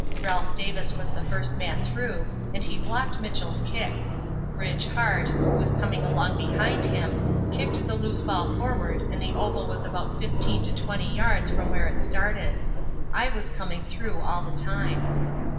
Ralph Davis was the first man through, and he blocked Mitchell's kick. Ridge Hart, who was coming along behind him, kicked the loose ball forward and the oval was about fifteen to twenty yards from where it started. I was coming through all the time.